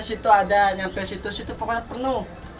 sampai situ situ pokoknya penuh